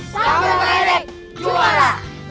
samen redek juara